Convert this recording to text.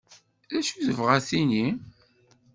Dacu tebɣa ad tini?